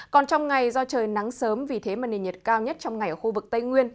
còn trong ngày do trời nắng sớm vì thế mà nền nhiệt cao nhất trong ngày ở khu vực tây nguyên